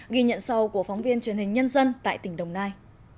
ghi nhận sau của phóng viên truyền hình nhân dân tại tỉnh đồng nai